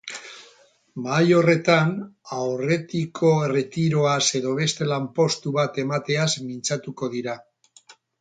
Mahai horretan, aurretiko erretiroaz edo beste lanpostu bat emateaz mintzatuko dira.